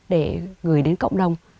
để gửi đến cộng đồng